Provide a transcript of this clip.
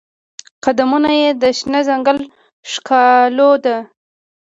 قدمونه یې د شنه ځنګل ښکالو ده